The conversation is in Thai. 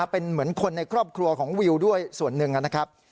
เป็นเหมือนคนในครอบครัวของวิวด้วยส่วนหนึ่งนะครับ